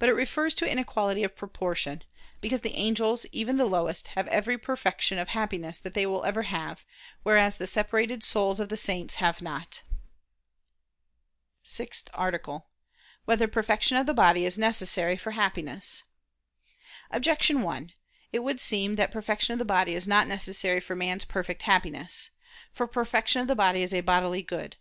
But it refers to inequality of proportion: because the angels, even the lowest, have every perfection of Happiness that they ever will have, whereas the separated souls of the saints have not. ________________________ SIXTH ARTICLE [I II, Q. 4, Art. 6] Whether Perfection of the Body Is Necessary for Happiness? Objection 1: It would seem that perfection of the body is not necessary for man's perfect Happiness. For perfection of the body is a bodily good.